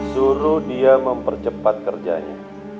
suruh dia mempercepat kerjanya